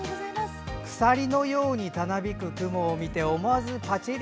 鎖のようにたなびく雲を見て思わずパチリ。